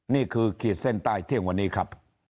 ขีดเส้นใต้เที่ยงวันนี้ครับ